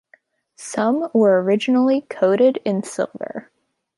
Some were originally coated in silver.